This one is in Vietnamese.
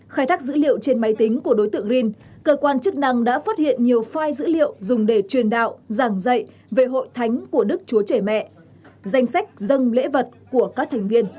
khai thác dữ liệu trên máy tính của đối tượng rin cơ quan chức năng đã phát hiện nhiều file dữ liệu dùng để truyền đạo giảng dạy về hội thánh của đức chúa trẻ mẹ danh sách dân lễ vật của các thành viên